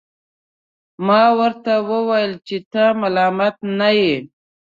ما ورته وویل چي ته ملامت نه یې.